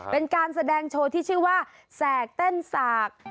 เป็นการแสดงโชว์ที่ชื่อว่าแสกเต้นสาก